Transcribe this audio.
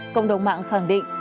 cộng đồng mạng khẳng định